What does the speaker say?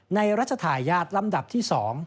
ในรัชธาญาติลำดับที่๒